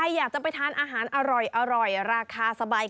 อยากจะไปทานอาหารอร่อยราคาสบาย